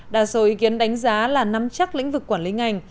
đa số ý kiến đánh giá là nắm chắc lĩnh vực quản lý ngành